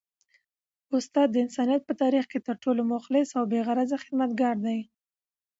استاد د انسانیت په تاریخ کي تر ټولو مخلص او بې غرضه خدمتګار دی.